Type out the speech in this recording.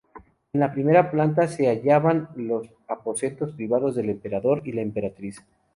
En la primera planta se hallaban los aposentos privados del emperador y la emperatriz.